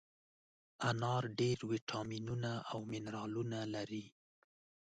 انار ډېر ویټامینونه او منرالونه لري.